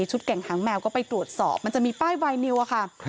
แก่งหางแมวก็ไปตรวจสอบมันจะมีป้ายไวนิวอะค่ะ